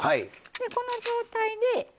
この状態で。